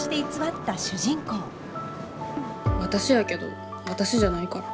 私やけど私じゃないから。